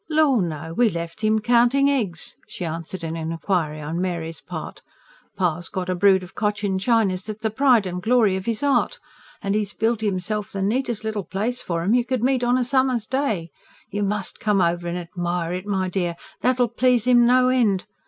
"Lor, no we left 'im counting eggs," she answered an inquiry on Mary's part. "Pa's got a brood of Cochin Chinas that's the pride and glory of 'is heart. And 'e's built 'imself the neatest little place for 'em you could meet on a summer's day: you MUST come over and admire it, my dear that'll please 'im, no end.